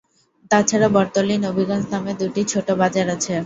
তাছাড়া বটতলী, নবীগঞ্জ নামে দুটি ছোট বাজার আছে।